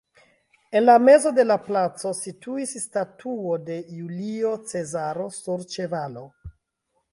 En la mezo de la placo situis statuo de Julio Cezaro sur ĉevalo.